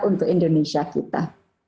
untuk indonesia kita